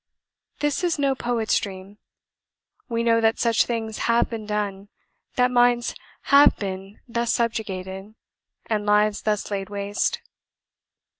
This is no poet's dream: we know that such things HAVE been done; that minds HAVE been thus subjugated, and lives thus laid waste.